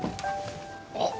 あっ！